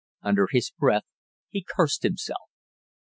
Under his breath he cursed himself.